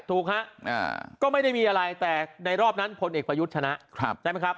ถูกฮะก็ไม่ได้มีอะไรแต่ในรอบนั้นคนเอกประยุทธ์ชนะ